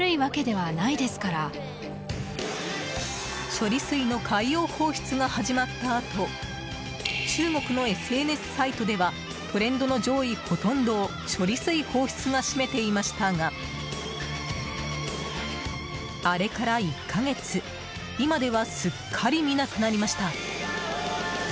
処理水の海洋放出が始まったあと中国のＳＮＳサイトではトレンドの上位ほとんどを処理水放出が占めていましたがあれから１か月、今ではすっかり見なくなりました。